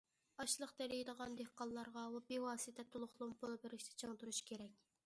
ئاشلىق تېرىيدىغان دېھقانلارغا بىۋاسىتە تولۇقلىما پۇل بېرىشتە چىڭ تۇرۇش كېرەك.